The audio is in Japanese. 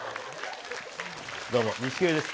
どうも錦鯉です。